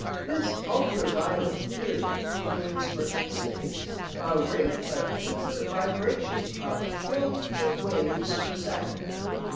This ultra violet theory claims for X rays a rate of ether vibration of trillions of waves per second.